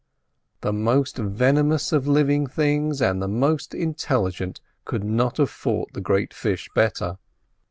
The most venomous of living things, and the most intelligent could not have fought the great fish better.